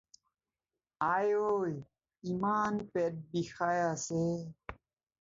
আই ঐ, ইমান পেট বিষাই আছে!